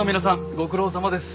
ご苦労さまです。